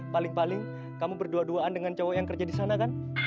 paling paling kamu berdua duaan dengan cowok yang kerja di sana kan